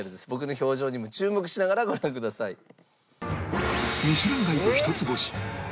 僕の表情にも注目しながらご覧ください。